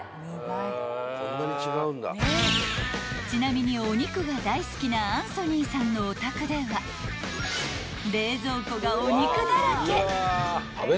［ちなみにお肉が大好きなアンソニーさんのお宅では冷蔵庫がお肉だらけ］